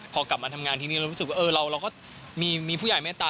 พอกลับมาทำงานที่นี่เรารู้สึกว่าเราก็มีผู้ใหญ่เมตตา